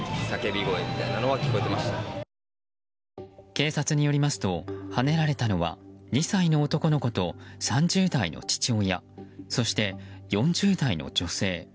警察によりますとはねられたのは２歳の男の子と３０代の父親そして４０代の女性。